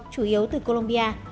chủ yếu từ colombia